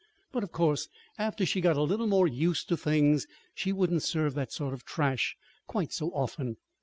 But, of course, after she got a little more used to things she wouldn't serve that sort of trash quite so often.